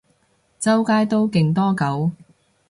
周街都勁多狗